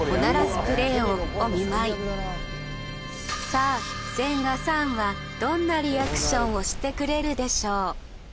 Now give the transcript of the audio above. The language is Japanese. さあ千賀さんはどんなリアクションをしてくれるでしょう？